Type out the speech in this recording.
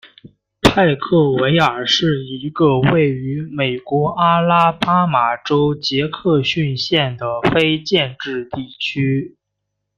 派克维尔是一个位于美国阿拉巴马州杰克逊县的非建制地区。